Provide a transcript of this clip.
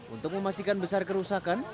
untuk memastikan besar kerusakan